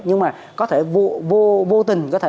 nhưng mà có thể vô tình